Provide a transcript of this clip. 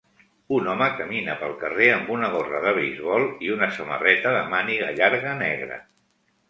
Un home camina pel carrer amb una gorra de beisbol i una samarreta de màniga llarga negra.